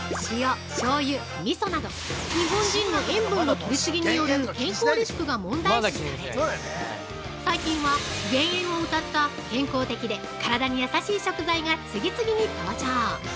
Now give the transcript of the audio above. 日本人の塩分のとり過ぎによる健康リスクが問題視され、最近は「減塩」をうたった、健康的で体に優しい食材が次々に登場！